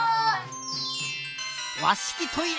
わしきトイレ！